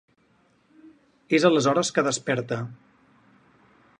És aleshores que desperta.